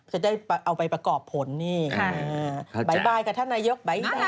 จะได้เอาไปประกอบผลนี่ใช่ค่ะค่ะโอเคบ๊ายบายค่ะท่านนายก